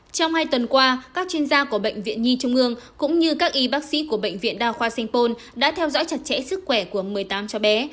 trong hai tuần qua các chuyên gia của bệnh viện nhi trung ương cũng như các y bác sĩ của bệnh viện đa khoa sanh pôn đã theo dõi chặt chẽ sức khỏe của một mươi tám cháu bé